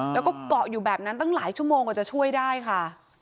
แล้วก็เกาะอยู่แบบนั้นตั้งหลายชั่วโมงกว่าจะช่วยได้ค่ะ